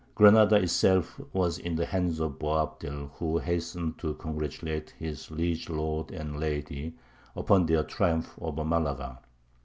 Granada itself was in the hands of Boabdil, who hastened to congratulate his liege lord and lady upon their triumph over Malaga.